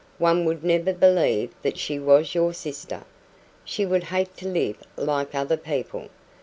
One would never believe that she was your sister. She would hate to live like other people.